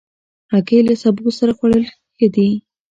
هګۍ له سبو سره خوړل ښه دي.